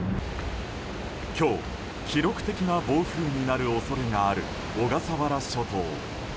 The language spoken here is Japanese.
今日、記録的な暴風になる恐れがある小笠原諸島。